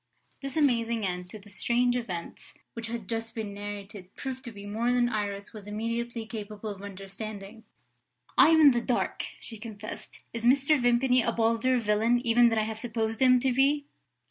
This amazing end to the strange events which had just been narrated proved to be more than Iris was immediately capable of understanding. "I am in the dark," she confessed. "Is Mr. Vimpany a bolder villain even than I have supposed him to be?"